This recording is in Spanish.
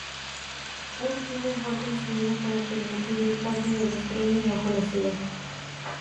Un túnel fue construido para permitir el paso de los trenes bajo la ciudad.